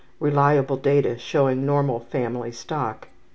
2 Reliable data showing normal family stock